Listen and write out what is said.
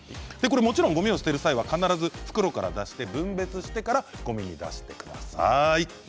もちろん、ごみを捨てる際は必ず袋から出して分別してからごみに出してください。